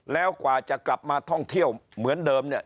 แล้วกว่าจะกลับมาท่องเที่ยวเหมือนเดิมเนี่ย